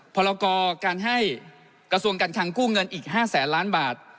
พรกรการให้กระทรวงการคังกู้เงินอีก๕แสนล้านบาท